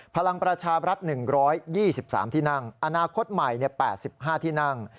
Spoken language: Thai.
พลังประชาบรัฐ๑๒๓ที่นั่งอนาคตใหม่๘๕ที่นั่ง